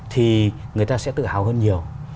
thì người ta sẽ tự hào hơn nhiều